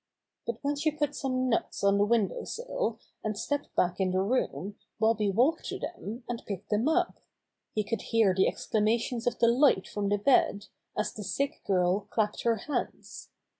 But when she put some nuts on the window sill, and stepped back in the room Bobby walked to them, and picked them up. He could hear the exclamations of delight from the bed, as the sick girl clapped her hands.